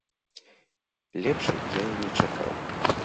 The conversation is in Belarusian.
Лепшай я і не чакаў!